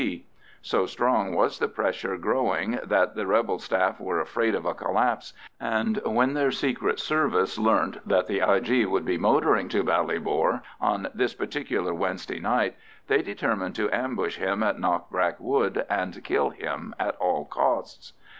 I.C. So strong was the pressure growing that the rebel staff were afraid of a collapse, and when their secret service learnt that the I.G. would be motoring to Ballybor on this particular Wednesday night, they determined to ambush him in Knockbrack Wood, and to kill him at all costs.